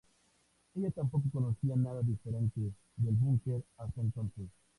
Ella tampoco conocía nada diferente del bunker hasta entonces.